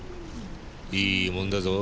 いいもんだぞ。